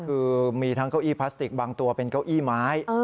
คือมีทั้งเก้าอี้พลาสติกบางตัวเป็นเก้าอี้ไม้